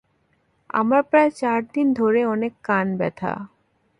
আমার প্রায় চার দিন ধরে অনেক কান ব্যথা।